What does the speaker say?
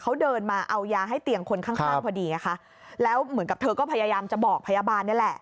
เขาเดินมาเอายาให้เตียงคนข้างข้างพอดีไงคะแล้วเหมือนกับเธอก็พยายามจะบอกพยาบาลนี่แหละ